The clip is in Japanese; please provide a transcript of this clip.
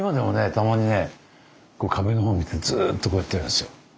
たまにね壁の方見てずっとこうやってやるんですよ。